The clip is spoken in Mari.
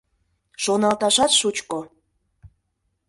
Шоналташат шучко!